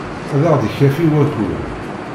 Ad aɣ-d-ikafi wakud.